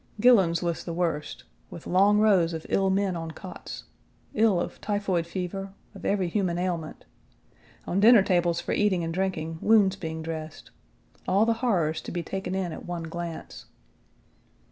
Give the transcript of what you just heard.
Gilland's was the worst, with long rows of ill men on cots, ill of typhoid fever, of every human ailment; on dinner tables for eating and drinking, wounds being dressed; all the horrors to be taken in at one glance.